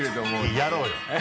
やろうよ。